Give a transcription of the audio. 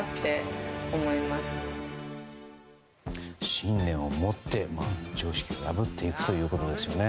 信念を持って常識を破っていくということですね。